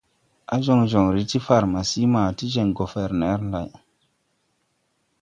Á jɔŋ jɔŋre ti farmasi ma ti jeŋ goferner lay.